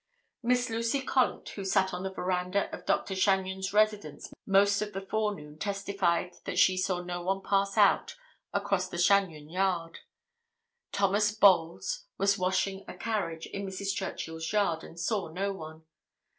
Miss Lucy Collett who sat on the veranda of Dr. Chagnon's residence most of the forenoon testified that she saw no one pass out across the Chagnon yard. Thomas Bolles was washing a carriage in Mrs. Churchill's yard and saw no one.